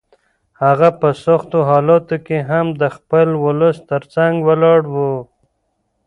هغه په سختو حالاتو کې هم د خپل ولس تر څنګ ولاړ و.